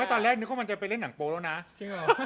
ว่าตอนแรกนึกว่ามันจะไปเล่นหนังโปรแล้วนะ